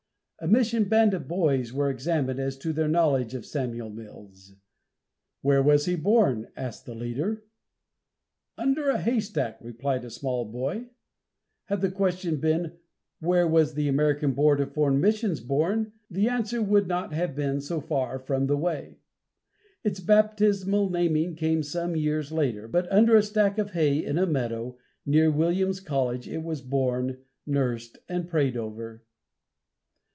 A mission band of boys were examined as to their knowledge of Samuel Mills. "Where was he born?" asked the leader. "Under a haystack!" replied a small boy. Had the question been, Where was the American Board of Foreign Missions born? the answer would not have been so far from the way. Its baptismal naming came some years later, but under a stack of hay in a meadow, near Williams College, it was born, nursed and prayed over.